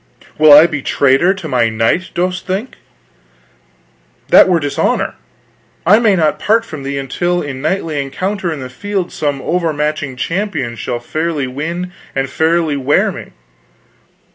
"Will I be traitor to my knight, dost think? That were dishonor. I may not part from thee until in knightly encounter in the field some overmatching champion shall fairly win and fairly wear me.